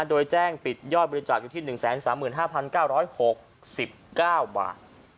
โดยแจ้งปิดยอดบริจาคอยู่ที่๑๓๕๙๖๙บาท